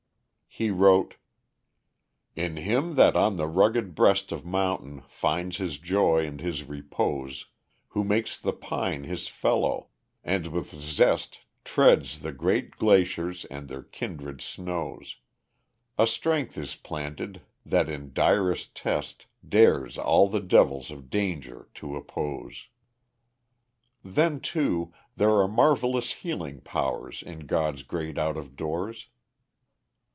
He wrote: "In him that on the rugged breast of mountain Finds his joy and his repose, Who makes the pine his fellow, and with zest Treads the great glaciers and their kindred snows, A strength is planted that in direst test Dares all the devils of Danger to oppose." Then, too, there are marvelous healing powers in God's great out of doors.